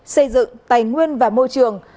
xây dựng tài nguyên và môi trường